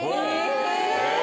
え！